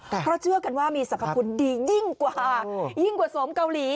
เพราะเชื่อกันว่ามีสรรพคุณดียิ่งกว่ายิ่งกว่าสมเกาหลี